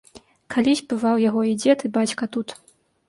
Калісь бываў яго і дзед і бацька тут.